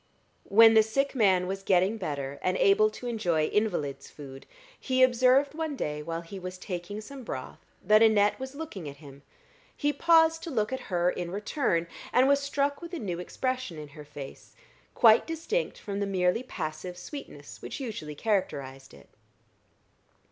When the sick man was getting better, and able to enjoy invalid's food, he observed one day, while he was taking some broth, that Annette was looking at him; he paused to look at her in return, and was struck with a new expression in her face, quite distinct from the merely passive sweetness which usually characterized it.